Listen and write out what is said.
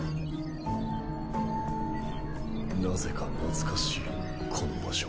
なぜか懐かしいこの場所。